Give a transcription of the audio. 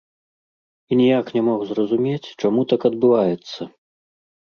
І ніяк не мог зразумець, чаму так адбываецца.